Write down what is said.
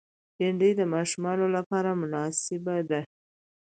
بېنډۍ د ماشومانو لپاره مناسبه ده